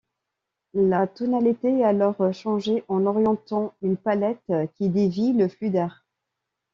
La tonalité est alors changée en orientant une palette qui dévie le flux d'air.